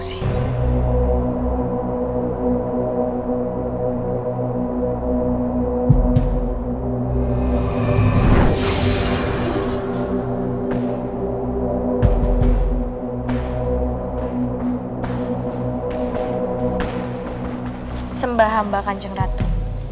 sembah hamba kanjeng ratu